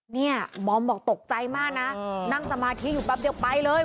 เนี่ยบอมบอกตกใจมากนะนั่งสมาธิอยู่แป๊บเดียวไปเลย